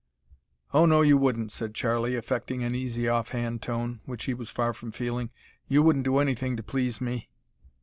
"Oh no, you wouldn't," said Charlie, affecting an easy off hand tone, which he was far from feeling; "you wouldn't do anything to please me."